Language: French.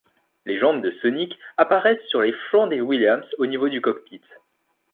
Les jambes de Sonic apparaissent sur les flancs des Williams, au niveau du cockpit.